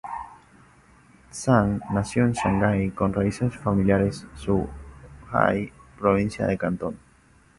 Tsang nació en Shanghái con raíces familiares en Zhuhai, Provincia de Cantón.